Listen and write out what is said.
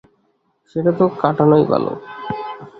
সেটা তো কাটানোই ভালো।